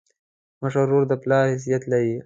مشر ورور د پلار حیثیت لري.